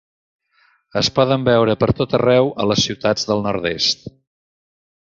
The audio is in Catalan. Es poden veure per tot arreu a les ciutats del nord-est.